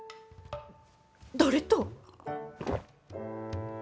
誰と？